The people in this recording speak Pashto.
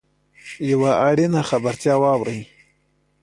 یوه اړینه خبرتیا واورﺉ .